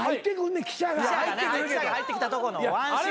記者が入ってきたとこのワンシーン。